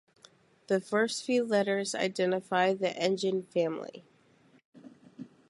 The first few letters identify the engine family.